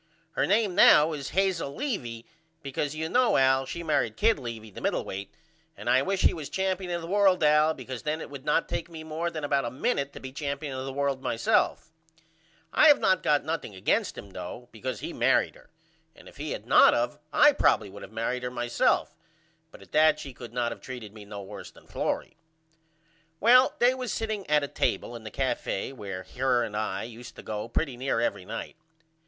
Her name now is Hazel Levy because you know Al she married Kid Levy the middleweight and I wish he was champion of the world Al because then it would not take me more than about a minute to be champion of the world myself I have not got nothing against him though because he married her and if he had not of I probily would of married her myself but at that she could not of treated me no worse than Florrie. Well they was setting at a table in the cafe where her and I use to go pretty near every night.